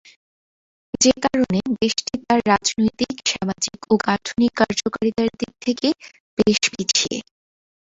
যে কারণে দেশটি তাদের রাজনৈতিক, সামাজিক ও গাঠনিক কার্যকারিতার দিক থেকে বেশ পিছিয়ে।